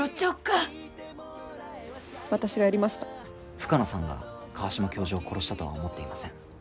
深野さんが川島教授を殺したとは思っていません。